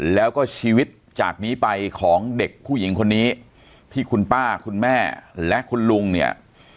แล้วก็ชีวิตจากนี้ไปของเด็กผู้หญิงคนนี้ที่คุณป้าคุณแม่และคุณลุงเนี่ย